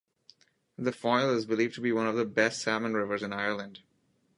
The Foyle is believed to be one of the best salmon rivers in Ireland.